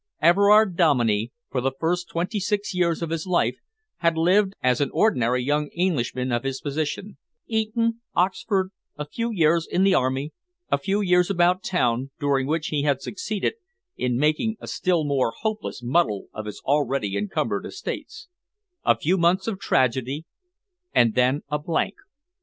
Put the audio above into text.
Everard Dominey, for the first twenty six years of his life, had lived as an ordinary young Englishman of his position, Eton, Oxford, a few years in the Army, a few years about town, during which he had succeeded in making a still more hopeless muddle of his already encumbered estates: a few months of tragedy, and then a blank.